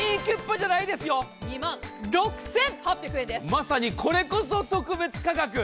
まさにこれこそ特別価格。